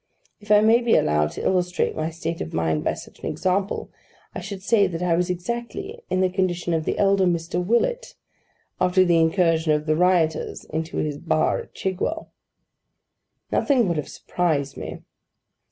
If I may be allowed to illustrate my state of mind by such an example, I should say that I was exactly in the condition of the elder Mr. Willet, after the incursion of the rioters into his bar at Chigwell. Nothing would have surprised me.